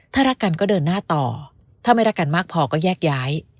ถ้ารักกันก็เดินหน้าต่อถ้าไม่รักกันมากพอก็แยกย้าย